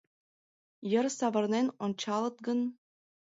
Йыр савырнен ончалыт гын